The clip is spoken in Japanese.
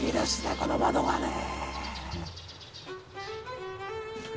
この窓がねえ。